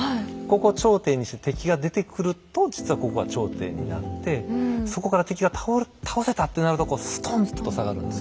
ここ頂点にして敵が出てくると実はここが頂点になってそこから敵が倒せたってなるとこうストンと下がるんですよ。